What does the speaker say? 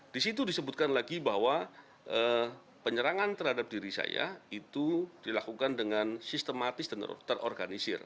di situ disebutkan lagi bahwa penyerangan terhadap diri saya itu dilakukan dengan sistematis dan terorganisir